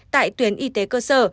tại tuyến y tế cơ sở